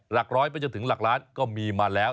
หลักร้อยไปจนถึงหลักล้านก็มีมาแล้ว